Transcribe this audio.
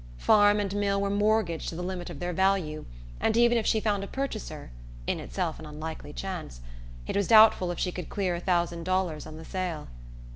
Farm and mill were mortgaged to the limit of their value, and even if she found a purchaser in itself an unlikely chance it was doubtful if she could clear a thousand dollars on the sale.